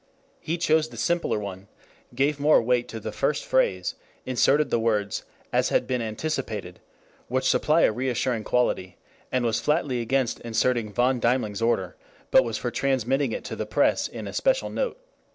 He chose the simpler one, gave more weight to the first phrase, inserted the words 'as had been anticipated,' which supply a reassuring quality, and was flatly against inserting von Deimling's order, but was for transmitting it to the press in a special note